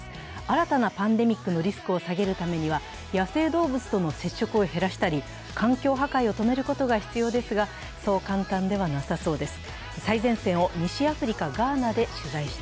新たなパンデミックのリスクを下げるためには野生動物との接触を減らしたり環境破壊を止めることが必要ですが、そう簡単ではなさそうです。